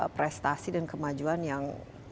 prestasi dan kemajuan yang